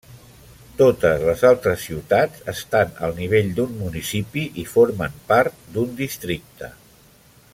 Totes les altres ciutats estan al nivell d'un municipi i formen part d'un districte.